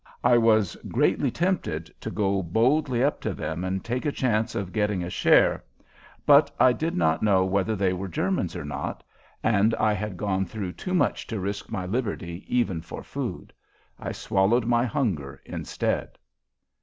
I was greatly tempted to go boldly up to them and take a chance of getting a share, but I did not know whether they were Germans or not, and I had gone through too much to risk my liberty even for food. I swallowed my hunger instead.